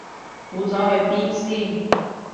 估咗去邊先